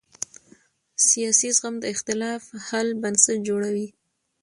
سیاسي زغم د اختلاف حل بنسټ جوړوي